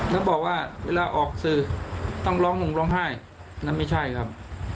เขาบอกว่าเวลาออกสื่อต้องร้องห่มร้องไห้นั่นไม่ใช่ครับ